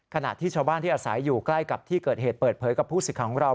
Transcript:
ขณะที่ชาวบ้านที่อาศัยอยู่ใกล้กับที่เกิดเหตุเปิดเผยกับผู้สิทธิ์ของเรา